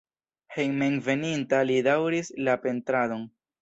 Hejmenveninta li daŭris la pentradon.